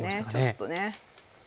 ちょっとね。